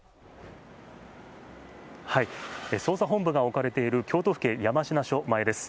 捜査本部が置かれている京都府警山科署前です。